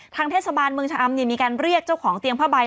เทศบาลเมืองชะอำมีการเรียกเจ้าของเตียงผ้าใบ